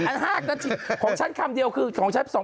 ครับผมเชิญค่ะ